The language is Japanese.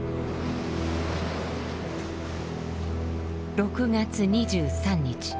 ６月２３日